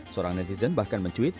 seorang netizen bahkan mencuit